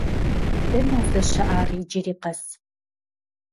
Дэнэ уздэщыӏар иджыри къэс?